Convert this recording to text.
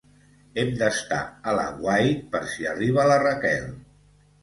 Hem d'estar a l'aguait per si arriba la Raquel.